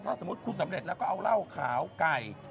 ถ้าสมมุติคุณสำเร็จแล้วก็เอาเหล้าขาวไก่